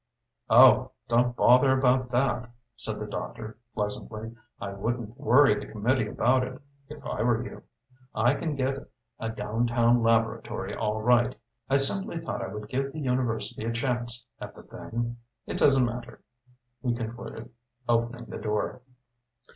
"Oh, don't bother about that," said the doctor pleasantly. "I wouldn't worry the committee about it, if I were you. I can get a down town laboratory all right. I simply thought I would give the university a chance at the thing. It doesn't matter," he concluded, opening the door.